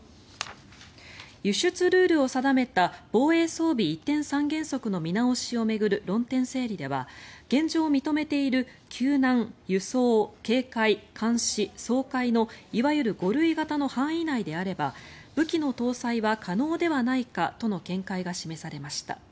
輸出ルールを定めた防衛装備移転三原則の見直しを巡る論点整理では現状認めている救難、輸送、警戒、監視、掃海のいわゆる５類型の範囲内であれば武器の搭載は可能ではないかとの見解が示されました。